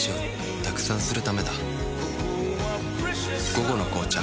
「午後の紅茶」